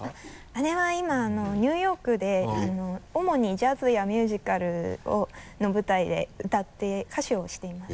姉は今ニューヨークで主にジャズやミュージカルの舞台で歌って歌手をしています。